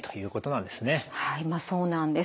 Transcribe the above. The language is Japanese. はいまあそうなんです。